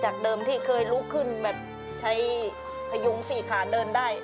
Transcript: เดิมที่เคยลุกขึ้นแบบใช้พยุงสี่ขาเดินได้